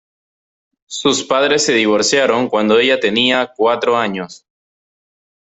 Sus padres se divorciaron cuando ella tenía cuatro años.